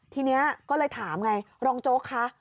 ทีนี้ก็เลยถามไงรองโจ๊กคะ